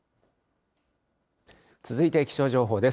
続いて、気象情報です。